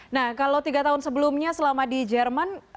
nah kalau tiga tahun sebelumnya selama di jerman